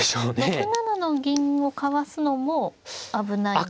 ６七の銀をかわすのも危ないですか。